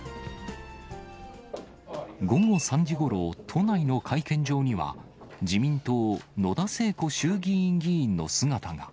午後３時ごろ、都内の会見場には、自民党、野田聖子衆議院議員の姿が。